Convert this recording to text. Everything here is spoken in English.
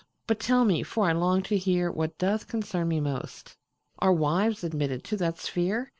"But tell me, for I long to hearWhat doth concern me most, Are wives admitted to that sphere?"